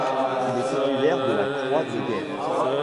Il est titulaire de laCroix de guerre.